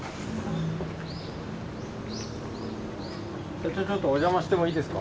社長ちょっとお邪魔してもいいですか？